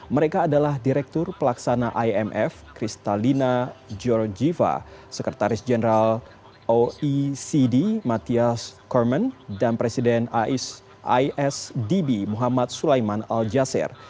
mereka adalah direktur pelaksana imf kristalina georgieva sekretaris jenderal oecd matthias korman dan presiden isdb muhammad sulaiman al jaser